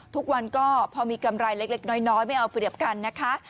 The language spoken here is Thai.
ทุกวันก็พอมีกำไรเล็กน้อยไม่เอาเปรียบกันนะคะ